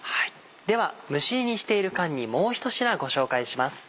では蒸し煮にしている間にもう１品ご紹介します。